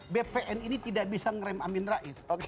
bpn ini tidak bisa ngerem amin rais